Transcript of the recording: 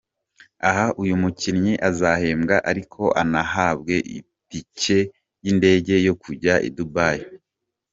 Aha, uyu mukinnyi azahembwa ariko anahabwe itike y’indege yo kuzajya i Dubai akararayo.